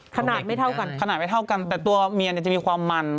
ไม่เท่ากันขนาดไม่เท่ากันแต่ตัวเมียเนี่ยจะมีความมัน